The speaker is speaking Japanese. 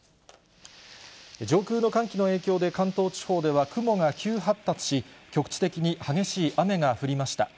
上空の寒気の影響で関東地方では雲が急発達し、局地的に激しい雨が降りました。